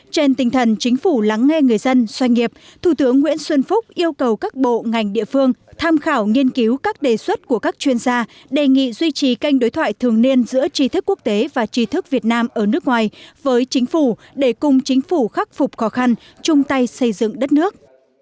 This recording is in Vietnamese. trên tinh thần chính phủ lắng nghe người dân doanh nghiệp thủ tướng nguyễn xuân phúc yêu cầu các bộ ngành địa phương tham khảo nghiên cứu các đề xuất của các chuyên gia đề nghị duy trì kênh đối thoại thường niên giữa tri thức quốc tế và trí thức việt nam ở nước ngoài với chính phủ để cùng chính phủ khắc phục khó khăn chung tay xây dựng đất nước